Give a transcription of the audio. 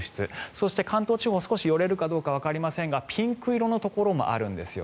そして、関東地方少し寄れるかどうかわかりませんがピンク色のところもあるんです。